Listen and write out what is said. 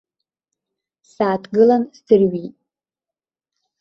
Сааҭгылан сӡырҩит.